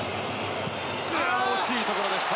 惜しいところでした。